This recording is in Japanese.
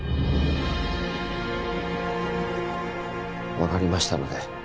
わかりましたので。